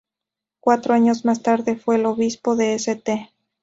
Cuatro años más tarde fue el Obispo de St.